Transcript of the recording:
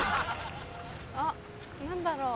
あっ何だろう？